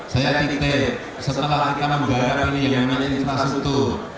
saya titik setelah kita menggarang ini yang namanya infrastruktur